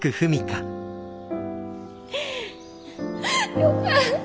よかった。